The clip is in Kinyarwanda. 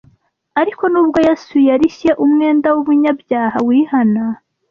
Ariko nubwo Yesu yarishye umwenda w’umunyabyaha wihana,